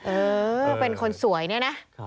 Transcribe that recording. เออเป็นคนสวยเนี่ยนะ